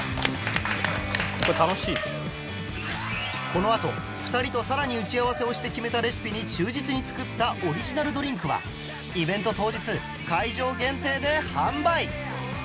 このあと２人とさらに打ち合わせをして決めたレシピに忠実に作ったオリジナルドリンクはイベント当日会場限定で販売